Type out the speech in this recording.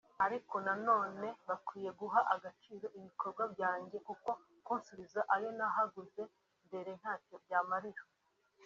Ariko nanone bakwiye guha agaciro ibikorwa byanjye kuko kunsubiza ayo nahaguze mbere ntacyo yamarira